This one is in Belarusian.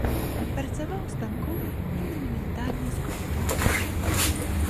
Працаваў ў станковай і манументальнай скульптуры.